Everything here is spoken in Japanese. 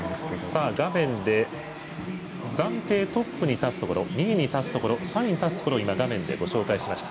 画面で暫定トップに立つところ２位に立つところ３位に立つところを画面で紹介しました。